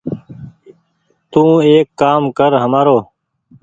تو ايڪ ڪآم ڪر همآرو ۔